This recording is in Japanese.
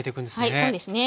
はいそうですね。